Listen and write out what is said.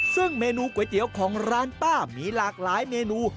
ซึ่งเมนูก๋วยเตี๋ยวของร้านป้ามีหลากหลายเมนู